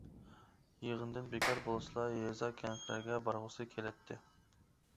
يىغىندىن بىكار بولسىلا يېزا-كەنتلەرگە بارغۇسى كېلەتتى.